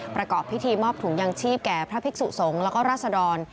ประกอบพิธีมอบถุงยางชีพแก่พระภิกษุสงฆ์แล้วก็ราศดร